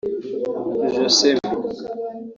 Josemi